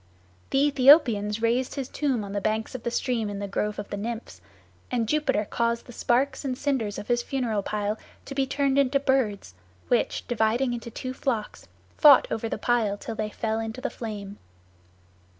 The Aethiopians raised his tomb on the banks of the stream in the grove of the Nymphs, and Jupiter caused the sparks and cinders of his funeral pile to be turned into birds, which, dividing into two flocks, fought over the pile till they fell into the flame.